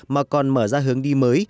mà còn mở ra hướng đi mới